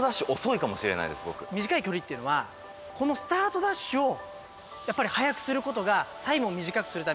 「短い距離っていうのはこのスタートダッシュをやっぱり速くする事がタイムを短くするために非常に大切なんですね」